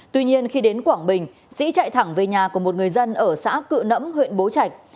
tuy nhiên khi đến quảng bình sĩ chạy thẳng về nhà của một người dân ở xã cự nẫm huyện bố trạch